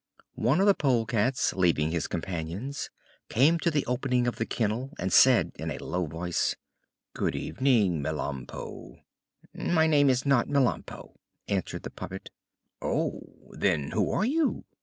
One of the polecats, leaving his companions, came to the opening of the kennel and said in a low voice: "Good evening, Melampo." "My name is not Melampo," answered the puppet. "Oh! then who are you?"